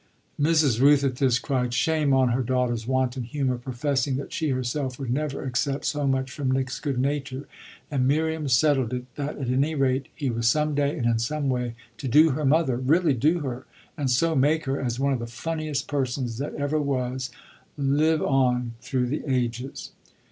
Mrs. Rooth, at this, cried shame on her daughter's wanton humour, professing that she herself would never accept so much from Nick's good nature, and Miriam settled it that at any rate he was some day and in some way to do her mother, really do her, and so make her, as one of the funniest persons that ever was, live on through the ages.